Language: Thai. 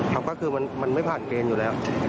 ครับก็คือมันไม่ผ่านเกณฑ์อยู่แล้ว